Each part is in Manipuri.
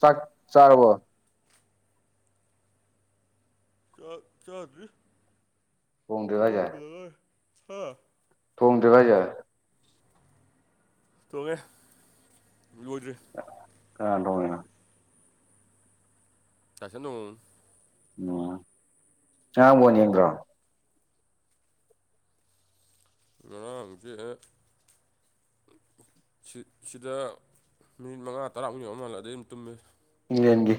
ꯆꯥꯛ ꯆꯔꯕꯣ ꯆꯥꯛ ꯆꯥꯗ꯭ꯔꯤ ꯊꯣꯡꯗ꯭ꯔꯤꯕ ꯇꯨꯝ ꯍꯩꯕꯗ ꯉꯥꯏꯔꯤ ꯍꯥ ꯊꯣꯡꯗ꯭ꯔꯤꯕꯣ ꯍꯥꯏꯁꯦ ꯊꯣꯡꯉꯦ ꯂꯣꯏꯗ꯭ꯔꯤ ꯀꯅꯥꯅ ꯊꯣꯡꯉꯤꯅꯣ [unintelligible] ꯎꯝ ꯉꯔꯥꯡ ꯕꯣꯜ ꯌꯦꯡꯗ꯭ꯔꯣ ꯉꯔꯥꯡꯁꯦ ꯁꯤꯗ ꯃꯤꯅꯤꯠ ꯃꯉꯥ ꯇꯔꯥꯃꯨꯛ ꯌꯦꯡꯉꯝ ꯃꯥꯜꯂꯦ ꯑꯗꯨꯗꯩꯩ ꯑꯗꯨꯝ ꯇꯨꯝꯃꯦ ꯏꯪꯂꯦꯟꯒꯤ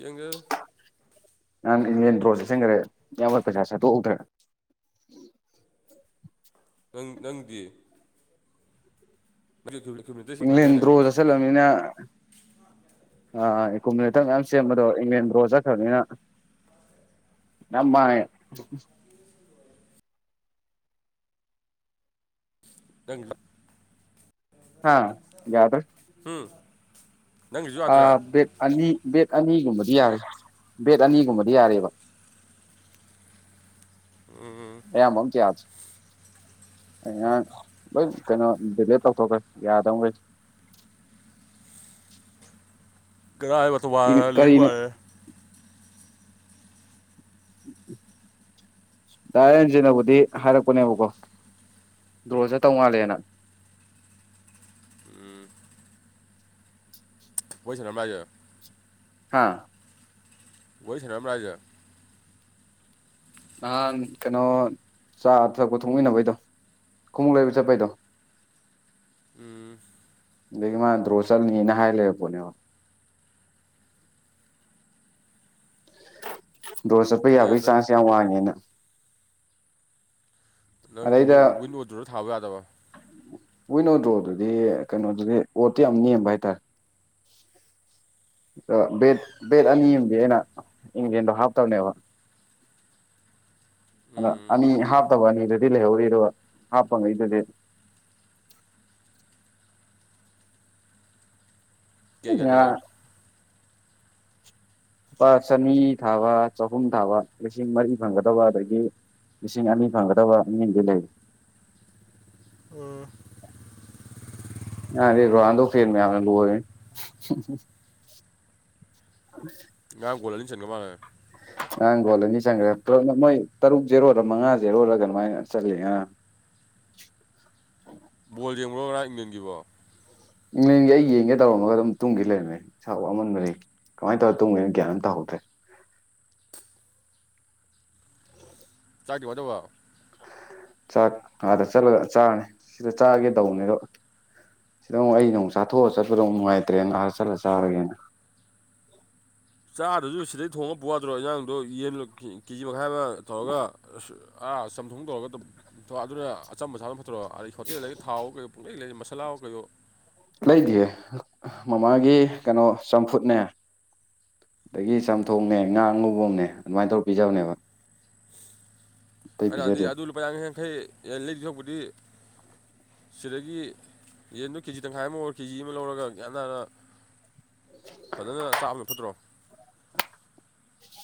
ꯌꯦꯡꯗꯦꯗꯥ ꯅꯍꯥꯟ ꯏꯪꯂꯦꯟ ꯗ꯭ꯔꯣ ꯆꯠꯆꯟꯈ꯭ꯔꯦ ꯏꯌꯥꯝꯕꯒꯤ ꯄꯩꯁꯥ ꯁꯠꯇꯣꯛꯍꯧꯗ꯭ꯔꯦ ꯅꯪ ꯅꯪꯒꯤꯗꯤ ꯑꯗꯨ ꯏꯪꯂꯦꯟ ꯗ꯭ꯔꯣ ꯆꯠꯁꯤꯜꯂꯛꯑꯝꯃꯤꯅ ꯑꯥ ꯏꯀꯨꯃꯤꯂꯦꯇꯔ ꯃꯌꯥꯝ ꯁꯦꯝꯕꯗꯣ ꯏꯪꯂꯦꯟ ꯗ꯭ꯔꯣ ꯆꯠꯈ꯭ꯔꯕꯅꯤꯅ ꯌꯥꯝ ꯃꯥꯡꯉꯦ ꯅꯪ ꯍꯥꯥ ꯌꯥꯗ꯭ꯔꯦ ꯎꯝ ꯑꯥ ꯕꯦꯠ ꯑꯅꯤ ꯕꯦꯠ ꯑꯅꯤꯒꯨꯝꯕꯗꯤ ꯌꯥꯔꯦ ꯕꯦꯠ ꯑꯅꯤꯒꯨꯝꯕꯗꯤ ꯌꯥꯔꯤꯕ ꯑꯌꯥꯝꯕ ꯑꯝꯇ ꯌꯥꯗ꯭ꯔꯦ ꯑꯩ ꯉꯔꯥꯡ ꯂꯣꯏ ꯀꯩꯅꯣ ꯗꯤꯂꯦꯠ ꯇꯧꯊꯣꯛꯈ꯭ꯔꯦ ꯌꯥꯗꯕꯈꯩ ꯀꯥꯑꯕ ꯇꯋꯥ ꯀꯔꯤꯅꯣ ꯂꯤꯒꯋꯥꯡꯑꯦ ꯗꯥ ꯔꯦꯟꯖꯤꯅꯕꯨꯗꯤ ꯍꯥꯏꯔꯛꯄꯅꯦꯕꯀꯣ ꯗ꯭ꯔꯣ ꯆꯠꯊꯧ ꯃꯥꯥꯜꯂꯦꯅ ꯎꯝ ꯋꯥꯔꯤ ꯁꯥꯟꯅꯔꯝꯕ꯭ꯔꯣ ꯍꯥꯢꯖꯦ ꯍꯥꯥ ꯋꯥꯔꯤ ꯁꯥꯟꯅꯔꯝꯕ꯭ꯔꯣ ꯍꯥꯏꯖꯦ ꯅꯍꯥꯟ ꯀꯩꯅꯣ ꯆꯥ ꯊꯛꯄ ꯊꯣꯛꯃꯤꯟꯅꯕꯩꯗꯣ ꯈꯣꯡꯎꯞ ꯂꯩꯕ ꯆꯠꯄꯩꯗꯣ ꯎꯝ ꯑꯗꯒꯤ ꯃꯥꯅ ꯗ꯭ꯔꯣ ꯆꯠꯅꯤꯅ ꯍꯥꯏ ꯂꯩꯔꯛꯄꯅꯦꯕ [unintelligible] ꯗꯣꯔ ꯆꯠꯄ ꯑꯗ ꯌꯥꯕꯒꯤ ꯅꯪ ꯆꯥꯟꯁ ꯌꯥꯝ ꯋꯥꯡꯉꯦꯅ ꯅꯪꯗꯤ ꯑꯗꯩꯗ ꯋꯤꯟ ꯑꯣꯔ ꯗꯣꯔꯗ ꯊꯥꯕ ꯌꯥꯗꯕ ꯋꯤꯟ ꯑꯣꯔ ꯗ꯭ꯔꯣ ꯑꯗꯨꯗꯤ ꯀꯩꯅꯣꯗꯨꯗꯤ ꯑꯣꯠꯇꯤ ꯌꯥꯝ ꯅꯦꯝꯕ ꯍꯥꯏꯇꯥꯔꯦ ꯑ ꯕꯦꯠ ꯑꯅꯤ ꯑꯃꯗꯤ ꯑꯩꯅ ꯏꯪꯂꯦꯟꯗ ꯍꯥꯞꯇꯕꯅꯦꯕ ꯑꯗꯥ ꯎꯝ ꯑꯅꯤ ꯍꯥꯞꯇꯕ ꯑꯅꯤꯗꯨꯗꯤ ꯂꯩꯍꯧꯔꯤ ꯑꯗꯨꯒ ꯍꯥꯞꯄ ꯉꯩꯗꯨꯗꯤ ꯀꯌꯥ ꯀꯌꯥ ꯊꯥꯏꯕ ꯉꯔꯥꯡ ꯂꯨꯄꯥ ꯆꯅꯤ ꯊꯥꯕ ꯆꯍꯨꯝ ꯊꯥꯕ ꯂꯤꯁꯤꯡ ꯃꯔꯤ ꯐꯪꯒꯗꯕ ꯑꯗꯒꯤ ꯂꯤꯁꯤꯡ ꯑꯅꯤ ꯐꯪꯒꯗꯕ ꯑꯅꯤꯗꯤ ꯂꯩ ꯉꯔꯥꯡꯗꯤ ꯔꯣꯅꯥꯜꯗꯣ ꯐꯦꯟ ꯃꯌꯥꯝꯅ ꯂꯣꯏꯔꯦ ꯉꯔꯥꯡ ꯒꯣꯜ ꯑꯅꯤ ꯆꯟꯒꯔ ꯃꯥꯜꯂꯦ ꯉꯔꯥꯡ ꯒꯣꯜ ꯑꯅꯤ ꯆꯪꯈ꯭ꯔꯦ ꯄꯨꯂꯞ ꯃꯣꯏ ꯇꯔꯨꯛ ꯖꯦꯔꯣꯔ ꯃꯉꯥ ꯖꯦꯔꯣꯔ ꯑꯗꯨꯃꯥꯏꯅ ꯆꯠꯂꯤ ꯉꯔꯥꯡ ꯕꯣꯜ ꯌꯦꯡꯕ꯭ꯔꯣ ꯉꯔꯥꯡ ꯏꯪꯂꯦꯟꯒꯤꯕꯣ ꯏꯪꯂꯦꯟꯒꯤ ꯑꯩ ꯌꯦꯡꯒꯦ ꯇꯧꯔꯝꯃꯒ ꯑꯗꯨꯝ ꯇꯨꯡꯒꯤ ꯂꯩꯔꯝꯃꯦ ꯏꯁꯥ ꯋꯥꯃꯟꯕꯒꯤ ꯀꯃꯥꯏꯅ ꯇꯧꯔꯒ ꯇꯨꯡꯒꯤꯅꯣ ꯒꯌꯥꯟ ꯑꯃ ꯇꯥꯍꯧꯗ꯭ꯔꯦ [unintelligible] ꯆꯥꯛꯇꯤ ꯀꯃꯥꯏ ꯇꯧꯕ ꯆꯥꯛ ꯉꯥꯗ ꯆꯠꯂꯒ ꯆꯥꯔꯅꯤ ꯁꯤꯗ ꯆꯥꯒꯦ ꯇꯧꯕꯅꯦ ꯑꯗꯣ ꯁꯤꯗ ꯑꯃꯨꯛ ꯑꯩꯅ ꯑꯃꯨꯛ ꯆꯥꯊꯣꯛꯑ ꯆꯠꯄꯗꯣ ꯑꯃꯨꯛ ꯅꯨꯡꯉꯥꯏꯇ꯭ꯔꯦ ꯉꯥꯗ ꯆꯠꯂ ꯆꯥꯔꯒꯦꯅ ꯆꯥꯗꯨꯁꯨ ꯁꯤꯗꯩ ꯊꯣꯡꯉ ꯄꯨ ꯌꯥꯗ꯭ꯔꯣ ꯏꯟꯁꯥꯡꯗꯣ ꯌꯦꯟ ꯀꯦꯖꯤ ꯥꯃꯈꯥꯏꯃꯥ ꯇꯧꯔꯒ ꯑꯥ ꯆꯝꯊꯣꯡ ꯇꯧꯔꯒ ꯑꯗꯨꯅ ꯑꯆꯝꯕ ꯆꯥꯕꯅ ꯐꯠꯇꯔꯣ ꯑꯥ ꯍꯣꯇꯦꯜꯗꯩ ꯊꯥꯎꯋꯣ ꯀꯩꯋꯣ ꯄꯨꯡꯂꯩ ꯂꯩ ꯃꯥꯁꯂꯥꯋꯣ ꯀꯩꯋꯣ ꯂꯩꯇꯦꯌꯦ ꯃꯃꯥꯒꯤ ꯀꯩꯅꯣ ꯆꯝꯐꯨꯠꯅꯦ ꯑꯗꯒꯤ ꯆꯝꯊꯣꯡꯅꯦ ꯉꯥ ꯉꯧꯕꯥꯃꯥꯅꯦ ꯑꯗꯨꯃꯥꯏꯅ ꯇꯧꯔ ꯄꯤꯖꯕꯅꯦꯕ ꯑꯇꯩ ꯑꯗꯨꯗꯤ ꯄꯤꯖꯗꯦ ꯑꯗꯨ ꯂꯨꯄꯥ ꯌꯥꯡꯈꯩ ꯌꯥꯡꯈꯩ ꯂꯩꯗꯣꯏ ꯁꯔꯨꯛꯄꯨꯗꯤ ꯁꯤꯗꯒꯤ ꯌꯦꯟꯗꯣ ꯀꯦꯖꯤ ꯇꯪꯈꯥꯏ ꯑꯃ ꯑꯣꯔ ꯀꯦꯖꯤ ꯑꯃ ꯂꯧꯔꯒ ꯒ꯭ꯌꯥꯟ ꯇꯥꯥꯟꯅ ꯐꯖꯅ ꯆꯥꯕ ꯐꯠꯇ꯭ꯔꯣ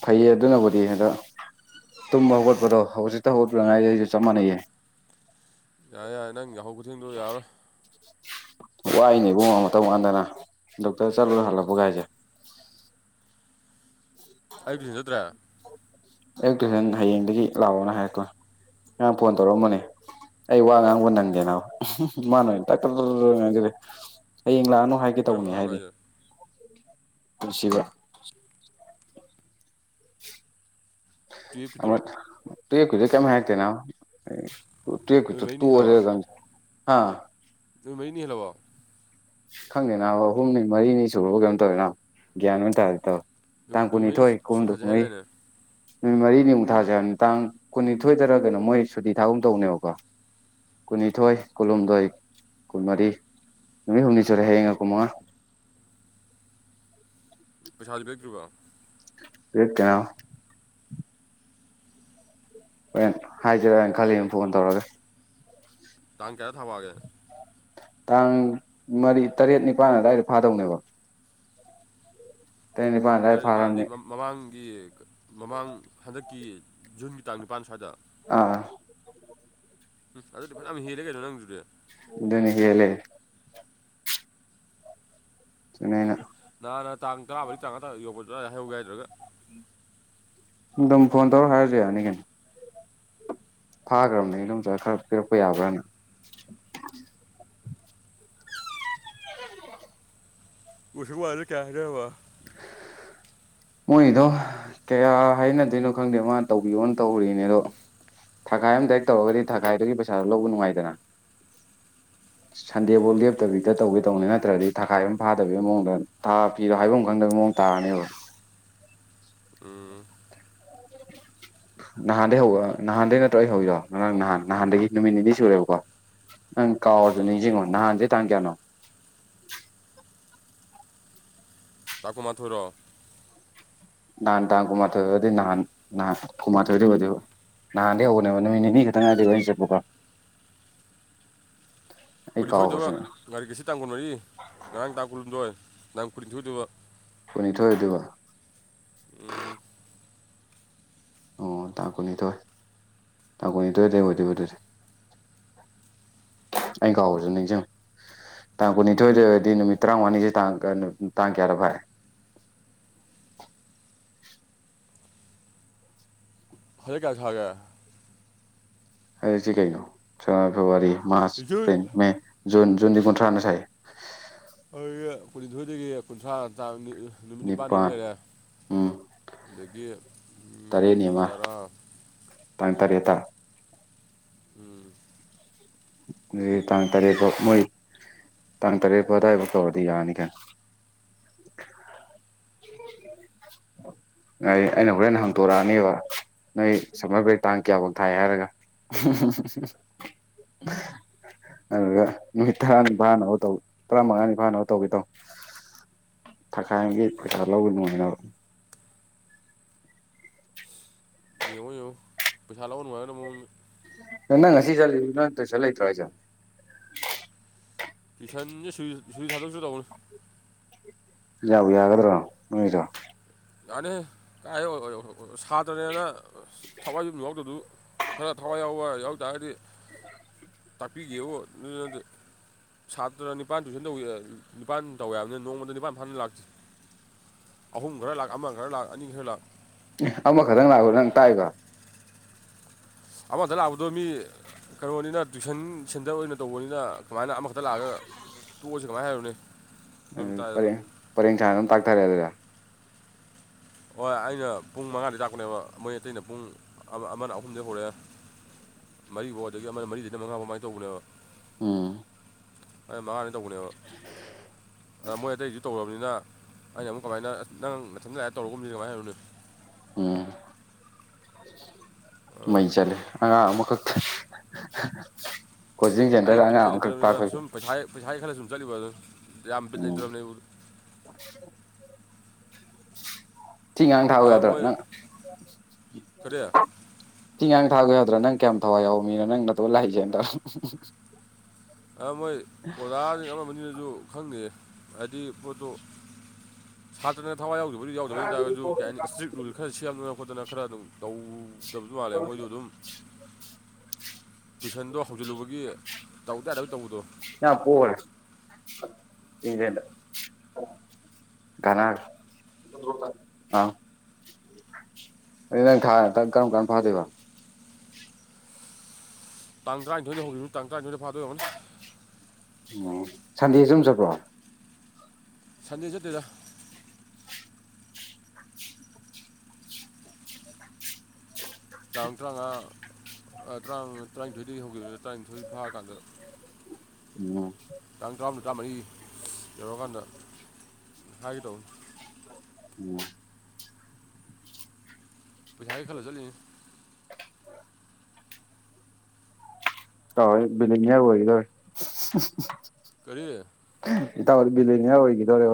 ꯐꯩꯌꯦ ꯑꯗꯨꯅꯕꯨꯗꯤ ꯍꯟꯗ ꯇꯨꯝꯕ ꯍꯧꯒꯠꯄꯗꯣ ꯍꯧꯖꯤꯛꯇ ꯍꯧꯒꯠꯄꯗꯥ ꯉꯥꯏꯔꯤ ꯑꯩꯁꯨ ꯆꯞ ꯃꯥꯟꯅꯩꯌꯦ ꯌꯥꯔꯦ ꯌꯥꯔꯦ ꯅꯪ ꯌꯥꯍꯧ ꯇꯨꯊꯦꯡꯗꯣ ꯌꯥꯔꯥꯔꯣꯏ ꯋꯥꯏꯅꯦ ꯏꯕꯨꯡ ꯇꯧ ꯀꯥꯟꯗꯅ ꯗꯣꯛꯇꯔ ꯆꯠꯂꯨꯔ ꯍꯜꯂꯛꯄꯒꯥꯏꯁꯦ ꯑꯌꯨꯛ ꯊꯨꯏꯁꯟ ꯆꯠꯇ꯭ꯔꯦ ꯑꯌꯨꯛ ꯇꯨꯏꯁꯟ ꯍꯌꯦꯡꯗꯒꯤ ꯂꯥꯛꯑꯣꯅ ꯍꯥꯏꯔꯛꯄꯣ ꯉꯔꯥꯡ ꯐꯣꯟ ꯇꯧꯔꯛꯑꯝꯕꯅꯦ ꯑꯩ ꯋꯥ ꯉꯥꯡꯕ ꯅꯪꯗꯦ ꯃꯥꯅ ꯐꯣꯏ ꯇꯛ ꯇꯛ ꯉꯥꯡꯖꯜꯂꯛꯑꯦ ꯍꯌꯦꯡ ꯂꯥꯛꯑꯅꯨ ꯍꯥꯏꯒꯦ ꯀꯔꯝꯕ ꯇꯧꯕꯅꯦ ꯑꯉꯥꯡꯅꯣ ꯍꯥꯏꯔꯛꯑꯦ ꯍꯥꯏꯁꯦ ꯄꯨꯟꯁꯤꯕ ꯑꯃ ꯇꯨꯌꯦꯞꯀꯤꯗꯨꯔꯣ ꯇꯨꯋꯦꯞ ꯀꯤꯗꯨ ꯀꯩꯝ ꯍꯥꯏꯔꯛꯇꯦ ꯅꯥꯕ ꯦꯛ ꯅꯨꯃꯤꯠ ꯇꯨ ꯃꯔꯤꯅꯤ ꯍꯦꯜꯂꯕ ꯑꯣꯏꯔꯦ ꯀ ꯍꯥ ꯅꯨꯃꯤꯠ ꯃꯔꯤꯅꯤ ꯍꯦꯜꯂꯕꯣ ꯈꯪꯗꯦ ꯅꯥꯕ ꯑꯍꯨꯝꯅꯤ ꯃꯔꯤꯅꯤ ꯁꯨꯔꯕ ꯀꯩꯅꯣꯝ ꯇꯧꯋꯦꯅ ꯒ꯭ꯌꯥꯟ ꯑꯝ ꯇꯥꯗꯦ ꯇꯧꯋꯦ ꯅꯣꯡꯃꯥꯏꯖꯤꯡ ꯅꯨꯃꯤꯠ ꯁꯨꯇꯤ ꯊꯥꯖꯦ ꯍꯥꯏꯗꯥꯏꯅꯦ ꯅꯨꯃꯤꯠ ꯃꯔꯤꯅꯤꯃꯨꯛ ꯊꯥꯥꯁꯦ ꯍꯥꯏꯕꯅꯤ ꯇꯥꯡ ꯀꯨꯟꯅꯤꯊꯣꯏꯗꯔ ꯀꯩꯅꯣ ꯃꯣꯏ ꯁꯨꯇꯤ ꯊꯥꯒꯨꯝ ꯇꯧꯅꯦꯕꯀꯣ ꯀꯨꯟꯅꯤꯊꯣꯏ ꯀꯨꯟꯍꯨꯝꯗꯣꯏ ꯀꯨꯟꯃꯔꯤ ꯅꯨꯃꯤꯠ ꯍꯨꯝꯅꯤ ꯁꯨꯔꯦ ꯍꯥꯌꯦꯡꯒ ꯀꯨꯟꯃꯉꯥ ꯄꯩꯁꯥꯗꯤ ꯄꯤꯔꯛꯇꯔꯤꯕꯣ ꯄꯤꯔꯛꯇꯦ ꯅꯥꯕ ꯍꯣꯔꯦꯟ ꯍꯥꯏꯁꯤꯔꯅ ꯈꯜꯂꯤ ꯐꯣꯟ ꯇꯧꯔꯒ ꯇꯥꯡ ꯀꯌꯥ ꯊꯥ ꯐꯥꯒꯦ ꯇꯥꯡ ꯃꯔꯤ ꯇꯔꯦꯠ ꯅꯤꯄꯥꯥꯟ ꯑꯗꯨꯋꯥꯏꯗ ꯐꯥꯗꯧꯅꯦꯕ ꯇꯔꯦꯠ ꯅꯤꯄꯥꯟ ꯑꯗꯋꯥꯏ ꯐꯥꯔꯝꯅꯤ ꯒꯤ ꯃꯃꯥꯡ ꯍꯟꯗꯛꯀꯤ ꯖꯨꯟꯒꯤ ꯇꯥꯡ ꯅꯤꯄꯥꯟ ꯁ꯭ꯋꯥꯏꯗ ꯑ ꯎꯝ ꯑꯗꯨꯗꯤ ꯐꯅꯌꯥꯝ ꯍꯦꯜꯂꯦ ꯀꯩꯅꯣ ꯅꯪꯗꯨꯗꯤ ꯅꯤ ꯍꯦꯜꯂꯦ [unintelligible] ꯉꯍꯥꯟꯅ ꯇꯥꯡ ꯇꯔꯥꯃꯔꯤ ꯇꯔꯥꯃꯉꯥ ꯇꯔꯥ ꯇꯔꯨꯛ ꯌꯧ ꯔꯒ ꯍꯥꯏꯍꯧꯒꯦ ꯍꯥꯏꯗ꯭ꯔꯒ ꯐꯣꯟ ꯇꯧꯔ ꯍꯥꯏꯔꯁꯨ ꯌꯥꯅꯤ ꯀꯩꯅꯣ ꯐꯥꯈ꯭ꯔꯕꯅꯤ ꯏꯗꯣꯝꯆꯥ ꯈꯔ ꯄꯤꯔꯛꯄ ꯌꯥꯕ꯭ꯔꯥꯅ ꯀꯁꯨꯕꯨ ꯀꯌꯥꯗ ꯍꯥꯏꯅꯔꯕ ꯃꯣꯏꯗꯣ ꯀꯌꯥ ꯍꯥꯏꯅꯗꯣꯏꯅꯣ ꯈꯪꯗꯦ ꯃꯥ ꯇꯧꯕꯤꯌꯣꯅ ꯇꯧꯔꯤꯅꯦ ꯑꯗꯣ ꯊꯥꯒꯥꯏ ꯑꯃꯗꯥꯏꯦꯛ ꯇꯧꯔꯒꯗꯤ ꯊꯥꯒꯥꯏꯗꯨꯒꯤ ꯄꯩꯁꯥꯗꯣ ꯂꯧꯕ ꯅꯨꯡꯉꯥꯏꯗꯅ ꯁꯟꯗꯦꯐꯧ ꯎꯝ ꯂꯦꯞꯇꯕꯤꯗ ꯇꯧꯒꯦ ꯇꯧꯅꯤ ꯅꯠꯇ꯭ꯔꯗꯤ ꯊꯥꯈꯥꯏꯕ ꯐꯥꯗꯕꯒꯤ ꯃꯑꯣꯡꯗ ꯊꯥ ꯐꯤꯗꯣ ꯍꯥꯏꯐꯝ ꯈꯪꯗꯕꯩ ꯃꯑꯣꯡ ꯇꯥꯔꯅꯦꯕ ꯎꯝ ꯅꯍꯥꯟꯗꯒꯤ ꯍꯧꯕ ꯅꯍꯥꯟꯗꯒꯤ ꯅꯠꯇ꯭ꯔꯣ ꯑꯩ ꯍꯧꯔꯤꯗꯣ ꯅꯔꯥꯡ ꯅꯍꯥꯟ ꯅꯍꯥꯟꯗꯒꯤ ꯅꯨꯃꯤꯠ ꯅꯤꯅꯤ ꯁꯨꯔꯦꯕꯀꯣ ꯅꯪ ꯀꯥꯎꯔꯖꯨ ꯎꯝ ꯅꯤꯡꯁꯤꯡꯉꯣ ꯅꯍꯥꯟꯁꯦ ꯇꯥꯡ ꯀꯌꯥꯅꯣ ꯇꯥꯡ ꯇꯥꯡ ꯀꯨꯟꯃꯥꯊꯣꯏꯔꯣ ꯅꯍꯥꯟ ꯇꯥꯡ ꯀꯨꯟꯃꯥꯊꯣꯏꯒꯗꯤ ꯅꯍꯥꯟ ꯅꯍꯥꯟ ꯀꯨꯟꯃꯥꯊꯣꯏꯗꯕꯨꯗꯤ ꯅꯍꯥꯟꯗꯒꯤ ꯍꯧꯕꯅꯦꯕ ꯅꯨꯃꯤꯠ ꯅꯤꯅꯤ ꯈꯛꯇꯪꯅꯦ ꯑꯩꯅ ꯑꯗꯒꯤ ꯍꯧꯔ ꯆꯠꯄꯀꯣ ꯑꯩ ꯀꯨꯟꯅꯤꯊꯣꯏꯗꯣ ꯀꯥꯎꯕꯁꯨ ꯀꯔꯤ ꯉꯁꯤ ꯇꯥꯡ ꯀꯨꯟꯃꯔꯤ ꯉꯔꯥꯡ ꯇꯥꯡ ꯀꯨꯟꯍꯨꯝꯗꯣꯏ ꯉꯥꯍꯟ ꯀꯨꯟꯅꯤꯊꯣꯏ ꯑꯣꯏꯗꯣꯏꯕ ꯀꯨꯟꯅꯤꯊꯣꯏ ꯑꯣꯏꯗꯣꯏꯕ ꯎꯝ ꯑꯣ ꯇꯥꯡ ꯀꯨꯟꯅꯤꯊꯣꯏ ꯇꯥꯡ ꯀꯨꯟꯅꯤꯊꯣꯏꯗ ꯑꯣꯢꯗꯣꯏꯕ ꯑꯗꯨꯗꯤ ꯑꯩꯅ ꯀꯥꯎꯕꯁꯨ ꯅꯤꯡꯁꯤꯡꯉꯨ ꯇꯥꯡ ꯀꯨꯟꯅꯤꯊꯣꯏꯗꯗꯤ ꯅꯨꯃꯤꯠ ꯇꯔꯥꯃꯉꯅꯤꯁꯦꯡ ꯇꯥꯡ ꯀꯌꯥꯗ ꯐꯥꯏ ꯍꯟꯗꯛ ꯀꯌꯥꯅ ꯁꯥꯒꯦ ꯍꯥꯏꯁꯦ ꯀꯩꯅꯣ January February March June April May June ꯖꯨꯟꯗꯤ ꯀꯣꯟꯊ꯭ꯔꯥꯅ ꯁꯥꯏꯌꯦ ꯑꯗꯨꯒꯤ ꯀꯨꯟꯅꯤꯊꯣꯏꯗꯒꯤ ꯀꯨꯟꯊ꯭ꯔꯥ ꯇꯥ ꯅꯨꯃꯤꯠ ꯅꯤꯄꯥꯟꯅꯤ ꯑꯃ ꯅꯤꯄꯥꯜ ꯂꯩꯔꯦ ꯎꯝ ꯑꯗꯒꯤ ꯇꯔꯦꯠꯅꯤ ꯑꯃ ꯇꯔꯥ ꯇꯥꯡ ꯇꯔꯦꯠꯇ ꯎꯝ ꯑꯗꯨꯗꯤ ꯇꯥꯡ ꯇꯔꯦꯠꯇꯣ ꯃꯣꯏ ꯇꯥꯡ ꯇꯔꯦꯠ ꯐꯥꯎ ꯑꯗꯨꯗꯥꯏꯐꯥꯎ ꯇꯧꯔꯗꯤ ꯌꯥꯔꯅꯤ ꯀꯩꯅꯣ ꯉꯥꯏ ꯑꯩꯅ ꯍꯣꯔꯦꯟ ꯍꯪꯇꯣꯔꯛꯑꯅꯤꯕ ꯅꯣꯏ ꯁꯝꯃꯔ ꯕ꯭ꯔꯦꯛ ꯇꯥꯡ ꯀꯌꯥꯐꯥꯎ ꯊꯥꯏ ꯍꯥꯏꯔꯒ ꯑꯗꯨꯒ ꯅꯨꯃꯤꯠ ꯇꯔꯥꯅꯤ ꯐꯥꯅꯕ ꯇꯧ ꯇꯔꯥ ꯃꯉꯥꯅꯤ ꯐꯥꯅꯕ ꯇꯧꯒꯦ ꯇꯧ ꯊꯥꯈꯥꯏꯒꯤ ꯄꯩꯁꯥ ꯂꯧꯕ ꯅꯨꯉꯥꯏꯅꯕ ꯌꯦꯡꯉꯣ ꯌꯦꯡꯉꯣ ꯄꯩꯁꯥ ꯂꯧꯕ ꯅꯨꯡꯉꯥꯏꯒꯗꯕ ꯃꯑꯣꯡꯗ ꯅꯪꯅ ꯉꯁꯤ ꯆꯠꯂꯤꯗꯨꯅ ꯇꯨꯏꯁꯟ ꯂꯩꯇ꯭ꯔꯣ ꯍꯥꯏꯖꯦ ꯇꯨꯢꯁꯟꯖꯦ ꯁꯨꯇꯝ ꯁꯨꯇꯤ ꯊꯥꯗꯣꯛꯁꯤꯔ ꯇꯧꯕꯅꯤ ꯌꯥꯕꯨ ꯌꯥꯒꯗ꯭ꯔꯣ ꯅꯣꯏꯗꯣ ꯌꯥꯅꯤꯍꯦ ꯀꯥꯏ ꯑꯣꯏ ꯑꯣꯏꯍꯣ ꯁꯥꯇ꯭ꯔꯅꯦꯅ ꯊꯋꯥꯏ ꯌꯨꯝ ꯌꯥꯎꯗꯗꯨꯕꯨ ꯈꯔ ꯊꯋꯥꯏ ꯌꯥꯎꯕ ꯌꯥꯎꯇꯥꯥꯔꯗꯤ ꯇꯥꯛꯄꯤꯒꯦꯕꯨ ꯑꯗꯨꯗꯤ ꯅꯠꯇꯦ ꯁꯥꯇ꯭ꯔ ꯅꯤꯄꯥꯥꯟ ꯇꯨꯏꯁꯟ ꯇꯧꯕꯤꯑꯦ ꯅꯤꯄꯥꯥꯟ ꯇꯧꯋꯦ ꯍꯥꯏꯕꯅꯦ ꯅꯣꯡꯃꯗ ꯅꯤꯄꯥꯥꯟ ꯐꯥꯅ ꯂꯥꯛꯇꯦ ꯑꯍꯨꯝ ꯈꯔ ꯂꯥꯛ ꯑꯃ ꯈꯔ ꯂꯥꯛ ꯑꯅꯤ ꯈꯔ ꯂꯥꯛ ꯑꯦ ꯑꯃꯈꯛꯇꯪ ꯂꯥꯛꯄꯗꯨ ꯅꯪ ꯇꯥꯛꯏꯕ ꯑꯃꯗ ꯂꯥꯛꯄꯗꯣ ꯃꯤ ꯀꯩꯅꯣꯅꯤꯅ ꯇꯨꯏꯁꯟ ꯁꯦꯟꯇꯔ ꯑꯣꯏꯅ ꯇꯧꯕꯅꯤꯅ ꯀꯃꯥꯏꯅ ꯑꯃꯈꯛꯇ ꯂꯥꯛꯑꯒ ꯇꯣꯛꯑꯁꯤ ꯀꯃꯥꯏꯅ ꯍꯥꯏꯔꯨꯅꯤ ꯎꯝ ꯄꯔꯦꯡ ꯄꯔꯦꯡ ꯁꯥꯅ ꯑꯗꯨꯝ ꯇꯥꯛꯊꯔꯦ ꯑꯗꯨꯗꯤ ꯍꯣꯏ ꯑꯩꯅ ꯄꯨꯡ ꯃꯉꯥꯗꯒꯤ ꯇꯥꯛꯄꯅꯦꯕ ꯃꯣꯏ ꯑꯇꯩꯅ ꯄꯨꯡ ꯑꯃ ꯑꯃꯅ ꯑꯍꯨꯝꯗꯩ ꯍꯧꯔꯦ ꯃꯔꯤꯕꯥꯎ ꯑꯗꯒꯤ ꯑꯃꯅ ꯃꯔꯤꯗꯒꯤꯅ ꯃꯉꯥꯐꯥꯎ ꯃꯥꯏꯅ ꯇꯧꯕꯅꯦꯕ ꯎꯝ ꯑꯩꯅ ꯃꯉꯥ ꯇꯧꯕꯅꯦꯕ ꯑꯗ ꯃꯣꯏ ꯑꯇꯩꯁꯨ ꯇꯧꯔꯕꯅꯤꯅ ꯑꯩꯅ ꯑꯃꯨꯛ ꯀꯃꯥꯏꯅ ꯑꯁ ꯅꯪ ꯅꯊꯟꯗ ꯂꯥꯛꯑꯦ ꯇꯧꯔꯒꯨꯝꯁꯤ ꯀꯃꯥꯏꯅ ꯍꯥꯏꯔꯨꯅꯤ ꯎꯝ ꯑꯗꯣ ꯃꯩ ꯆꯠꯂꯦ ꯑꯉꯥꯡ ꯑꯃꯈꯛ [unintelligible] ꯑꯩ ꯁꯦꯟꯇꯔꯗ ꯑꯉꯥꯡ ꯕꯤꯠꯀ ꯑꯃꯈꯛ ꯂꯩꯇ꯭ꯔꯕꯅꯤꯗ ꯇꯥꯛꯄꯒꯤ ꯁꯨꯝ ꯄꯩꯁꯥꯢꯒꯤ ꯄꯩꯁꯥꯒꯤ ꯈꯜꯂ ꯁꯨꯝ ꯆꯠꯂꯤꯕꯗꯣ ꯌꯥꯝ ꯕꯤꯠ ꯎꯝ ꯂꯩꯇ꯭ꯔꯕꯅꯦ ꯑꯩꯕꯨꯗ [unintelligible] ꯊꯤꯉꯥꯡ ꯊꯥꯒꯣ ꯑ, ꯌꯥꯗ꯭ꯔꯣ ꯃꯣꯏ ꯅꯪ ꯀꯔꯤ ꯑ, ꯊꯤꯉꯥꯡ ꯊꯥꯒꯣ ꯌꯥ ꯑꯗꯨ ꯅꯪ ꯀꯌꯥꯝ ꯊꯋꯥꯏ ꯌꯥꯎꯕ ꯃꯤꯅꯣ ꯅꯪ ꯅꯇꯣꯟ ꯂꯥꯛꯢꯖꯦꯅ ꯇꯧꯔ ꯑ ꯃꯣꯏ ꯑꯣꯖꯥꯖꯤꯡ ꯑꯃꯅꯤꯅꯖꯨ ꯈꯪꯗꯦ ꯑꯗꯤ ꯄꯣꯠꯇꯣ ꯁꯥꯇ꯭ꯔꯅ ꯊꯋꯥꯏ ꯌꯥꯎꯗꯕꯒꯤ ꯌꯥꯎꯗꯕꯩꯅꯤ ꯇꯥꯔꯒꯁꯨ ꯀꯩ ꯍꯥꯏꯅꯤ ꯏꯁꯇ꯭ꯔꯤꯛ ꯔꯨꯜ ꯈꯔ ꯁꯦꯝꯗꯅ ꯈꯣꯠꯇꯅ ꯈꯔ ꯑꯗꯨꯝ ꯇꯧꯗꯕꯁꯨ ꯃꯥꯜꯂꯦ ꯃꯣꯏꯁꯨ ꯑꯗꯨꯝ ꯇꯨꯏꯁꯟꯗꯣ ꯍꯧꯖꯤꯜꯂꯨꯕꯒꯤ ꯇꯧꯗ ꯌꯥꯗꯕꯒꯤ ꯇꯧꯕꯗꯣ ꯀꯅꯥꯒ ꯑ ꯅꯪ ꯊꯥ ꯀꯔꯝ ꯀꯔꯝ ꯀꯥꯟꯗ ꯐꯥꯗꯣꯏꯕ ꯇꯥꯡ ꯇꯔꯥꯅꯤꯊꯣꯏꯗꯩ ꯍꯧꯒꯤ [unintelligible] ꯇꯥꯡ ꯇꯔꯥꯅꯤꯊꯣꯏꯗ ꯐꯥꯗꯣꯏ ꯑꯣꯏꯔꯝꯒꯅꯤ ꯎꯝ ꯁꯟꯗꯦꯁꯨ ꯑꯗꯨꯨꯝ ꯆꯠꯄ꯭ꯔꯣ ꯁꯟꯗꯦ ꯆꯠꯇꯦꯗ ꯇꯥꯡ ꯇꯔꯥꯃꯉꯥ ꯇꯥ ꯇꯔꯥꯅꯤꯊꯣꯏꯗꯒꯤ ꯍꯧꯈꯤꯕꯅꯦ ꯇꯔꯥꯅꯤꯊꯣꯏ ꯐꯥꯀꯥꯟꯗ ꯎꯝ ꯇꯥꯡ ꯇꯔꯥꯃꯨꯝ ꯇꯔꯥꯃꯔꯤ ꯌꯧꯔꯛꯀꯥꯟꯗ ꯍꯥꯏꯒꯦ ꯇꯧꯕꯅꯤ ꯎꯝ ꯄꯊꯏ ꯈꯜꯂꯣ ꯆꯂꯤꯦ ꯎ ꯀꯣꯏ ꯕꯤꯅꯉꯌꯥ ꯑꯣꯏꯗꯣꯏ ꯀꯔꯤꯦ ꯏ ꯇꯥꯎꯗ ꯕꯤꯂꯅꯤꯌꯥ ꯑꯣꯏꯈꯤꯗꯣꯔꯦ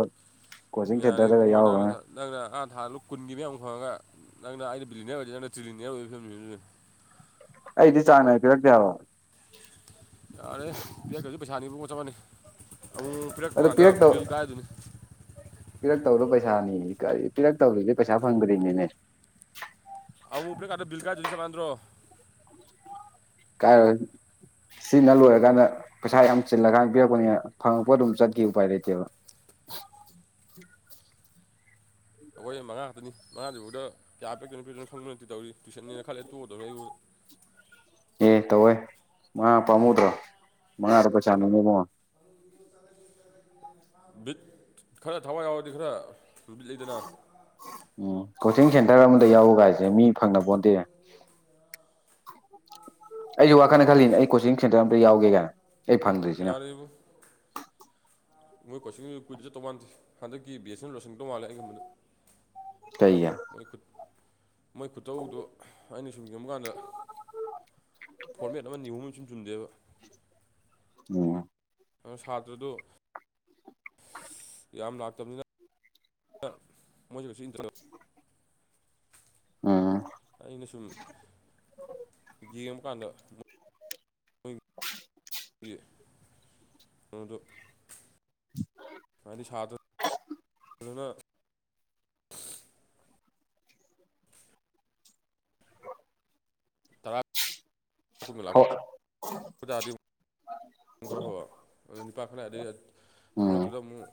ꯌꯥꯅꯤꯉꯅ ꯅ ꯅꯪꯅ ꯊꯥ ꯂꯣ ꯀꯨꯟꯒꯤ ꯃꯌꯥꯝ ꯈꯪꯉꯒ ꯅꯪꯅ ꯑꯩꯅ ꯕꯤꯂꯤꯅꯤꯌꯥꯔ ꯑꯣꯏꯔꯗꯗꯤ ꯅꯪꯅ ꯇ꯭ꯔꯤꯂꯤꯅꯤꯌꯥ ꯑꯣꯏꯕ ꯐꯤꯕꯅꯤ ꯑꯩꯗꯤ ꯆꯥꯡꯅ ꯄꯤꯔꯛꯇꯛꯇꯦꯕ ꯑꯔꯦ ꯄꯌꯥ ꯀꯁꯤ ꯄꯩꯁꯥꯅꯤ ꯆꯃꯅꯤ ꯑ ꯐꯔꯦꯛ ꯑꯗꯨ ꯃꯥꯗ ꯕꯤꯜ ꯀꯥꯏ ꯑꯗꯨꯅꯤ ꯇꯧꯔꯣ ꯄꯩꯁꯥꯅꯤ ꯀ ꯄꯤꯔꯛ ꯇꯧꯔꯤꯗꯤ ꯄꯩꯁꯥ ꯐꯪꯗ꯭ꯔꯤꯅꯦꯅꯦ ꯑ ꯀꯗꯕꯜꯀꯥ ꯭ꯔꯣ ꯀꯥꯏ ꯁꯤꯅ ꯂꯣꯏꯔꯀꯥꯟꯗ ꯄꯩꯁꯥ ꯌꯥꯝ ꯆꯤꯜꯂꯀꯥꯟ ꯄꯤꯔꯛꯄꯅꯤꯅ ꯐꯪꯉꯛꯄ ꯑꯗꯨꯝ ꯆꯠꯈꯤ ꯎꯄꯥꯏ ꯂꯩꯇꯦꯕ ꯑꯩꯈꯣꯏ ꯃꯉꯥ ꯉꯥꯛꯇꯅꯤ ꯃꯉꯥꯗꯨꯐꯥꯎꯗ ꯀꯌꯥ ꯄꯤꯛꯇꯅꯣ ꯄꯤꯛꯇꯅꯣ ꯈꯪꯕ ꯅꯠꯇꯦ ꯇꯧꯔꯤ ꯇ꯭ꯌꯁꯟꯅꯤꯅ ꯈꯜꯦ ꯇꯣꯡꯗꯧꯅ ꯃꯥ ꯄꯥꯝꯃꯨꯗ ꯃꯥꯉꯔ ꯄꯩꯁꯥꯅꯤ ꯃꯃ ꯕꯤꯠ ꯈꯔ ꯊꯋꯥꯏ ꯌꯥꯎꯔꯗꯤ ꯈꯔ ꯁꯃꯤꯠ ꯂꯩꯇꯅ ꯎꯝ ꯀꯣꯆꯤꯡ ꯁꯦꯟꯇꯔ ꯑꯃꯗ ꯌꯥꯎꯕ ꯀ ꯍꯥꯏꯁꯦ ꯃꯤ ꯐꯪꯅꯕ ꯄꯣꯟꯗꯦ ꯑꯩꯁꯨ ꯋꯥꯈꯜꯅ ꯈꯜꯂꯤꯅꯦ ꯁꯤ- ꯑꯩ ꯀꯣꯆꯤꯡ ꯁꯦꯟꯇꯔ ꯑꯝꯇ ꯌꯥꯎꯒꯦ ꯀꯥꯏꯅ ꯑꯩ ꯎꯝ ꯐꯪꯗ꯭ꯣꯏꯁꯤꯅ ꯌꯥꯔꯦ ꯏꯕꯨꯡ ꯃꯣꯏ ꯀꯣꯏꯆꯤꯡ ꯀꯨꯏꯗ ꯆꯠꯇꯧ ꯃꯥꯟꯗꯦ ꯍꯟꯗꯛꯀꯤ ꯕꯤ ꯑꯦꯁ ꯑꯦꯅ ꯂꯣꯏꯁꯤꯟꯗꯧ ꯃꯥꯜꯂꯦ ꯑꯩꯉꯝꯕꯗ ꯀꯩꯌꯥ ꯃꯣꯏ ꯈꯨꯇꯧꯗꯨ ꯑꯩꯅ ꯁꯨꯝ ꯌꯦꯡꯕ ꯀꯥꯟꯗ ꯐꯣꯔꯃꯦꯠ ꯑꯃ ꯅꯤꯍꯨ ꯆꯨꯝ ꯆꯗꯕ ꯎꯝ ꯑꯗꯨ ꯁꯥꯇ꯭ꯔꯗꯨ ꯌꯥꯝ ꯂꯥꯛꯇꯕꯅꯤꯅ ꯃꯁ ꯀꯁꯤ ꯏꯟ ꯑ ꯑꯩꯅꯁꯨꯝ ꯗꯤꯑꯝ [unintelligible] [unintelligible] ꯑꯩꯒꯤ ꯃꯗꯨ ꯌꯥꯏꯗꯤ ꯁꯥꯥ ꯑꯗꯨꯅ ꯇꯔꯥ [unintelligible] ꯅꯤꯄꯥ ꯈꯔ ꯑꯗꯩ ꯎꯝ ꯃꯔꯛꯇꯨꯗ ꯑꯃꯨꯛ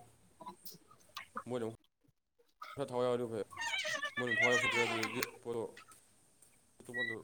ꯃꯣꯏꯅ ꯑꯃꯨꯛ ꯈꯔ ꯊꯋꯥꯏ ꯌꯥꯎꯗꯤ ꯐꯩ ꯃꯣꯏ ꯊꯋꯥꯏ ꯌꯥꯎ ꯐꯠꯈ꯭ꯔꯦ ꯑꯗꯨꯗꯒꯤꯗꯤ ꯄꯣꯠꯇꯣ ꯑꯇꯣꯞꯄꯗ